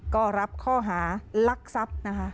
ก็รับข้อหารักทรัพย์นะคะ